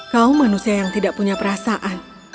kau manusia yang tidak punya perasaan